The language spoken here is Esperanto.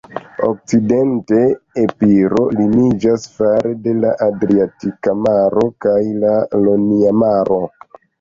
Okcidente, Epiro limiĝas fare de la Adriatika Maro kaj la Ionia Maro.